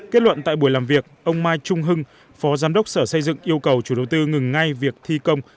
kết luận tại buổi làm việc ông mai trung hưng phó giám đốc sở xây dựng yêu cầu chủ đầu tư ngừng ngay việc thi công